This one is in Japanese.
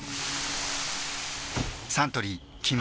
サントリー「金麦」